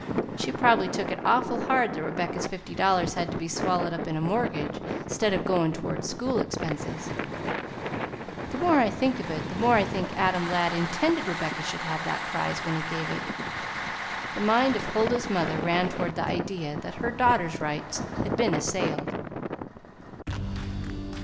She probably took it awful hard that Rebecca's fifty dollars had to be swallowed up in a mortgage, 'stead of goin' towards school expenses. The more I think of it, the more I think Adam Ladd intended Rebecca should have that prize when he gave it." The mind of Huldah's mother ran towards the idea that her daughter's rights had been assailed.